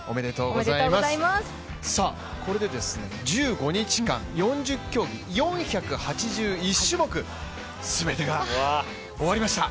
これで１５日間、４０競技４８１種目、すべてが終わりました。